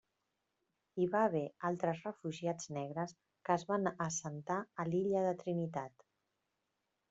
Hi va haver altres refugiats negres que es van assentar a l'illa de Trinitat.